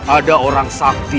ada orang sakti